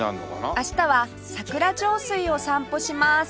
明日は桜上水を散歩します